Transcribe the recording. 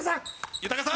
豊さん